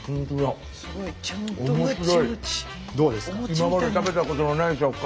今まで食べたことのない食感。